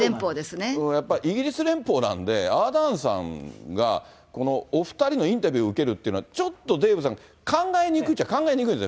やっぱりイギリス連邦なんでアーダーンさんが、このお２人のインタビューを受けるっていうのは、ちょっとデーブさん、考えにくいっちゃ考えにくい。